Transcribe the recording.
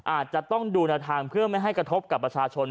อาจจะต้องดูแนวทางเพื่อไม่ให้กระทบกับประชาชน